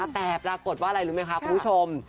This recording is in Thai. แต่ปรากฏว่าอะไรรู้ไหมคะคุณผู้ชม